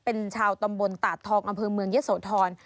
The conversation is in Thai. เป็นชาวตำบลตาดทองอำเภอเมืองยะโสธร